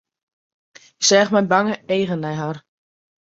Hy seach mei bange eagen nei har.